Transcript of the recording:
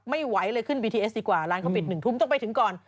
ไม่ไหวเลยขึ้นบีทีเอสดีกว่าร้านเขาปิด๑ทุ่มต้องไปถึงก่อน